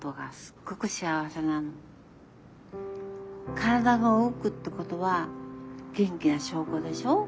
体が動くってことは元気な証拠でしょ。